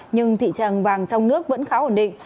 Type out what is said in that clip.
nhưng thị trường vàng trong nước vẫn khá ổn định